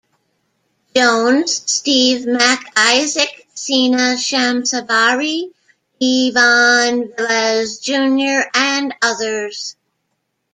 Jones, Steve MacIsaac, Sina Shamsavari, Ivan Velez Junior and others.